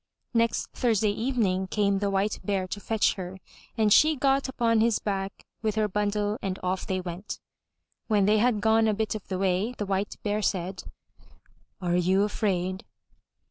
Next Thursday evening came the White Bear to fetch her, and she got upon his back with her bundle and off they went. When they had gone a bit of the way, the White Bear said: "Are you afraid?"